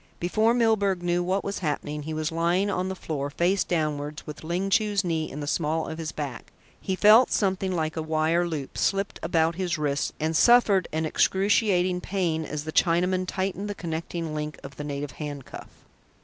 Before Milburgh knew what was happening, he was lying on the floor, face downwards, with Ling Chu's knee in the small of his back. He felt something like a wire loop slipped about his wrists, and suffered an excruciating pain as the Chinaman tightened the connecting link of the native handcuff.